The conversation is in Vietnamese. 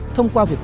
thông qua việc